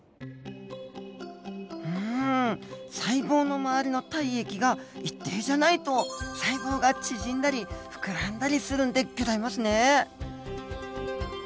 うん細胞の周りの体液が一定じゃないと細胞が縮んだり膨らんだりするんでギョざいますね。